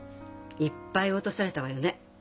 いっぱい落とされたわよね。